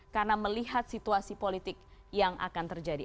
karena melihat situasi politik yang akan terjadi